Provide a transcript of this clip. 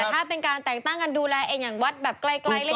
แต่ถ้าถ้าเป็นการแต่งตั้งกันดูแลเอนอย่างวัดใกล้